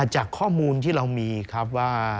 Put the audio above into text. จากข้อมูลที่เรามีครับว่า